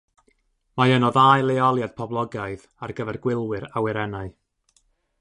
Mae yno ddau leoliad poblogaidd ar gyfer gwylwyr awyrennau.